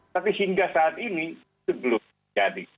tapi hingga saat ini itu belum jadi